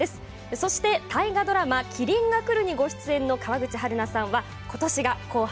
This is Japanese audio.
そして、大河ドラマ「麒麟がくる」にご出演の川口春奈さんは今年が「紅白」